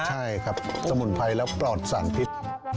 ใช่ครับสมุนไพรแล้วปลอดสารพิษ